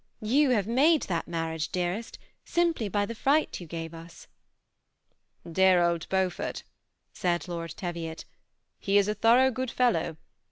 You have made that marriage, dearest, simply by the fright you gave us." " Dear old Beaufort !" said Lord Teviot ;" he is a thorough good fellow.